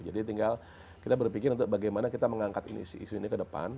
jadi tinggal kita berpikir bagaimana kita mengangkat isu ini ke depan